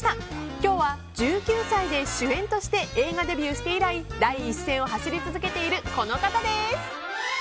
今日は１９歳で主演として映画デビューして以来第一線を走り続けているこの方です。